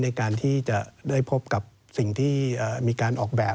ในการที่จะได้พบกับสิ่งที่มีการออกแบบ